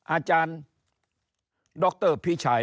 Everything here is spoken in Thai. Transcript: อาจารย์ดรพิชัย